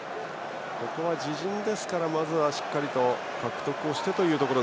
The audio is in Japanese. ここは自陣ですからしっかり獲得をしたいところ。